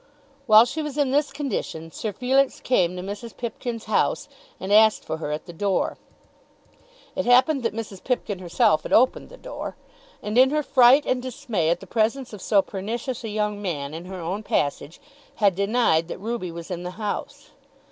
While she was in this condition Sir Felix came to Mrs. Pipkin's house, and asked for her at the door. It happened that Mrs. Pipkin herself had opened the door, and, in her fright and dismay at the presence of so pernicious a young man in her own passage, had denied that Ruby was in the house.